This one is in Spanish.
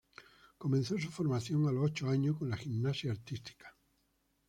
Comenzó su formación a los ocho años con la gimnasia artística.